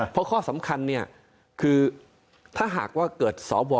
เพราะข้อสำคัญเนี่ยคือถ้าหากว่าเกิดสว